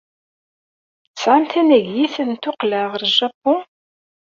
Tesɛam tanagit n tuqqla ɣer Japun?